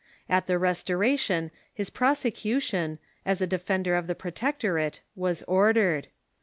At the Restoration his prosecu tion, as a defender of the Protectorate, was ordered.